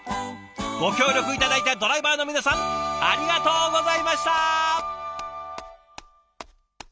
ご協力頂いたドライバーの皆さんありがとうございました！